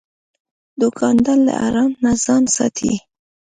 دوکاندار له حرام نه ځان ساتي.